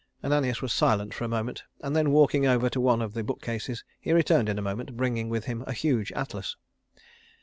Ananias was silent for a moment, and then walking over to one of the bookcases, he returned in a moment, bringing with him a huge atlas.